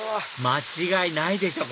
間違いないでしょ！